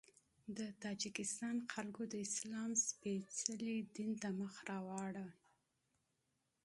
د تاجکستان خلک د اسلام سپېڅلي دین ته مخ راوړ.